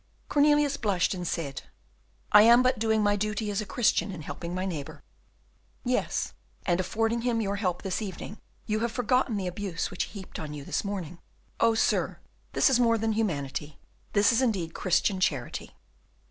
Cornelius blushed, and said, "I am but doing my duty as a Christian in helping my neighbour." "Yes, and affording him your help this evening, you have forgotten the abuse which he heaped on you this morning. Oh, sir! this is more than humanity, this is indeed Christian charity."